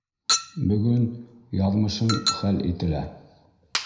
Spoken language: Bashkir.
Бөгөн яҙмышың хәл ителә!